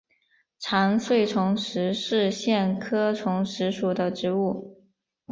长穗虫实是苋科虫实属的植物。